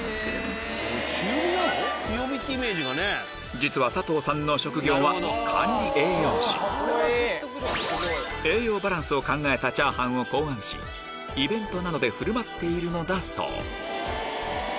実は佐藤さんの職業は栄養バランスを考えたチャーハンを考案しイベントなどで振る舞っているのだそう